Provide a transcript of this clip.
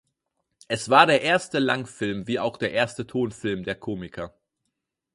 Es war der erste Langfilm wie auch der erste Tonfilm der Komiker.